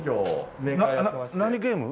何ゲーム？